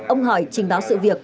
ông hỏi trình báo sự việc